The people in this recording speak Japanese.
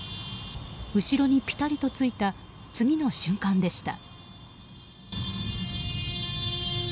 後ろにピタリとついた次の瞬間でした。